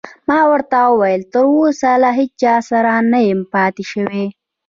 ما ورته وویل: تراوسه له هیڅ چا سره نه یم پاتې شوی.